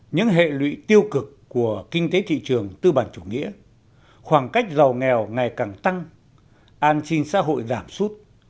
những hệ lụy tiêu cực của kinh tế thị trường tư bản chủ nghĩa khoảng cách giàu nghèo ngày càng tăng an sinh xã hội giảm sút